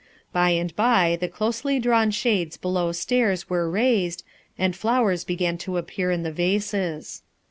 By and by the closely drawn shades Mow stairs were raised, and flowers began to appear in the vases.